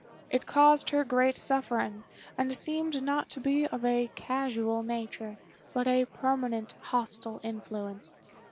It caused her great suffering, and seemed not to be of a casual nature, but a permanent hostile influence.